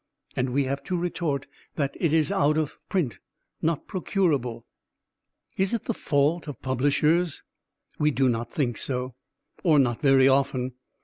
And we have to retort that it is out of print, not procurable. Is it the fault of publishers? We do not think so or not very often.